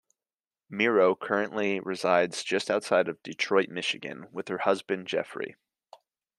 Miro currently resides just outside Detroit, Michigan with her husband, Jeffrey.